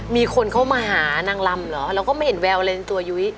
มีคนเข้ามาหานางลำเหรอเราก็ไม่เห็นแววอะไรในตัวยุ้ย